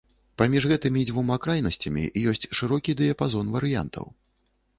Паміж гэтымі дзвюма крайнасцямі ёсць шырокі дыяпазон варыянтаў.